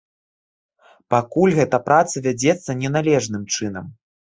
Пакуль гэта праца вядзецца не належным чынам.